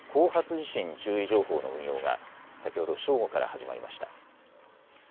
地震注意情報の運用が先ほど正午から始まりました。